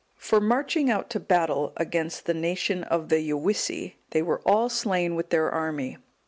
For marching out to battle against the nation of the Gewissi,(196) they were all slain with their army.